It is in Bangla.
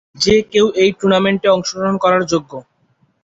যে কেউ এই টুর্নামেন্টে অংশগ্রহণ করার যোগ্য।